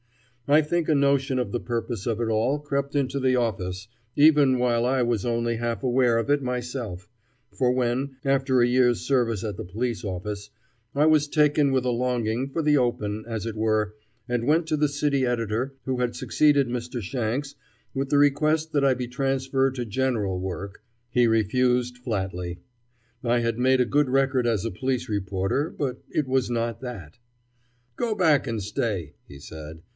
I think a notion of the purpose of it all crept into the office, even while I was only half aware of it myself, for when, after a year's service at the police office, I was taken with a longing for the open, as it were, and went to the city editor who had succeeded Mr. Shanks with the request that I be transferred to general work, he refused flatly. I had made a good record as a police reporter, but it was not that. "Go back and stay," he said.